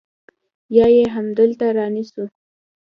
يا يې همدلته رانيسو.